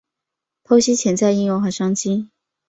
剖析潜在应用与商机